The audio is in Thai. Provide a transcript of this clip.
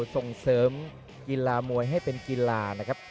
ส่งเสริมกีฬามวยให้เป็นกีฬานะครับ